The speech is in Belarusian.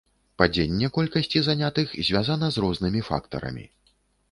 Падзенне колькасці занятых звязана з рознымі фактарамі.